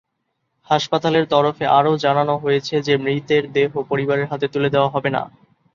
হাসপাতালের তরফে আরও জানানো হয়েছে যে মৃতের দেহ পরিবারের হাতে তুলে দেওয়া হবে না।